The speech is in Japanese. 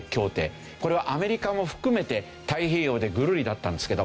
これはアメリカも含めて太平洋でぐるりだったんですけど。